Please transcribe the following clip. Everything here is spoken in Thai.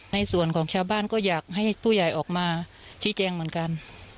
ในส่วนของชาวบ้านก็อยากให้ผู้ใหญ่ออกมาชี้แจงเหมือนกัน